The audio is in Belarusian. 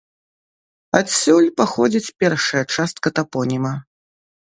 Адсюль паходзіць першая частка тапоніма.